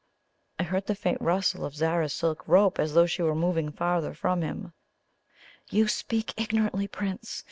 I heard the faint rustle of Zara's silk robe, as though she were moving farther from him. "You speak ignorantly, Prince.